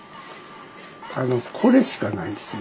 これしかないんですね。